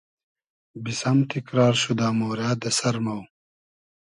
بیسئم تیکرار شودۂ مۉرۂ دۂ سئر مۉ